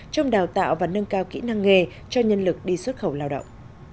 trong đào tạo và nâng cao kỹ năng nghề cho nhân lực đi xuất khẩu lao động